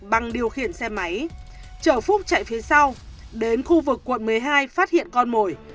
bằng điều khiển xe máy chở phúc chạy phía sau đến khu vực quận một mươi hai phát hiện con mồi